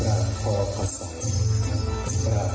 โอฮูสุดยอดเลยครับคุณครับ